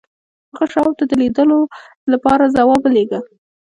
هغه شواب ته د لیدلو لپاره ځواب ولېږه